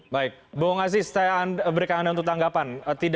baik bung aziz saya berikan anda untuk tanggapan